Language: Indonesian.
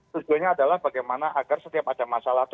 tujuannya adalah bagaimana agar setiap ada masalah